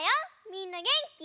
みんなげんき？